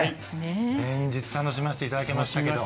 連日楽しませていただきましたけど。